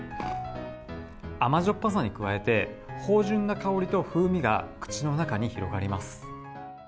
甘じょっぱさに加えて、芳じゅんな香りと風味が口の中に広がります。